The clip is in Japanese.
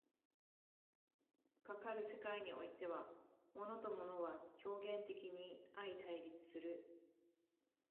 かかる世界においては、物と物は表現的に相対立する。